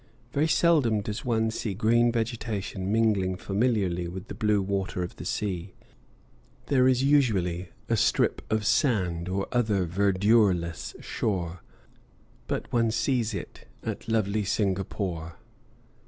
Very seldom does one see green vegetation mingling familiarly with the blue water of the sea there is usually a strip of sand or other verdureless shore but one sees it at lovely Singapore.